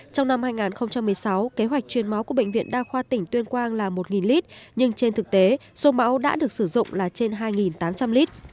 trong năm hai nghìn một mươi sáu kế hoạch chuyên máu của bệnh viện đa khoa tỉnh tuyên quang là một lít nhưng trên thực tế số máu đã được sử dụng là trên hai tám trăm linh lít